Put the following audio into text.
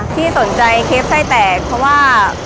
ที่สนใจเค้กไส้แตกเพราะว่า